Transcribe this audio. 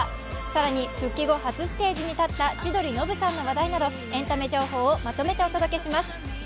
更に復帰後初ステージに立った千鳥ノブさんの話題などエンタメ情報をまとめてお届けします。